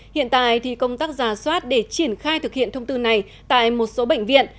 hiện tại thì công tác giả soát để triển khai thực hiện thông tư này tại một số bệnh viện